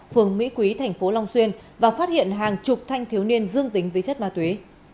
phường mỹ quý thành phố long xuyên và phát hiện hàng chục thanh thiếu niên dương tính với chất ma túy